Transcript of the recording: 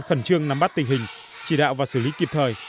khẩn trương nắm bắt tình hình chỉ đạo và xử lý kịp thời